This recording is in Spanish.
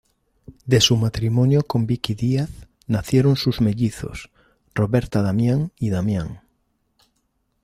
De su matrimonio con Vicky Díaz, nacieron sus mellizos, Roberta Damián y Damián.